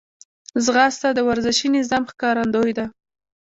ځغاسته د ورزشي نظم ښکارندوی ده